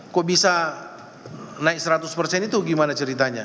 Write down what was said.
kok bisa naik seratus persen itu gimana ceritanya